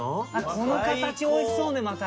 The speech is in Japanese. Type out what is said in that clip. この形美味しそうねまた。